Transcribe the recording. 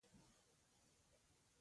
د مالګې غسل د ستړیا له منځه وړي.